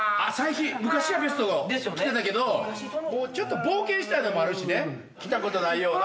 昔はベスト着てたけどちょっと冒険したいのもあるしね着たことないような。